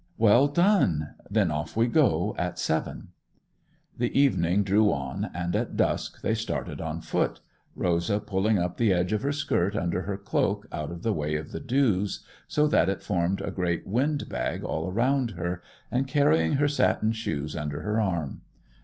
'Well done! Then off we go at seven.' The evening drew on, and at dusk they started on foot, Rosa pulling up the edge of her skirt under her cloak out of the way of the dews, so that it formed a great wind bag all round her, and carrying her satin shoes under her arm.